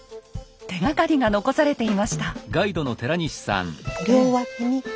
手がかりが残されていました。